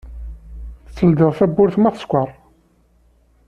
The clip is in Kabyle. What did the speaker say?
Teldiḍ tawwurt ma tsekker.